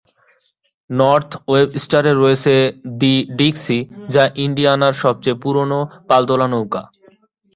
North ওয়েবস্টারে রয়েছে the Dixie, যা ইন্ডিয়ানার সবচেয়ে পুরনো পালতোলা নৌকা।